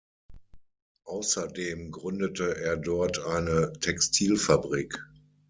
Außerdem gründete er dort eine Textilfabrik.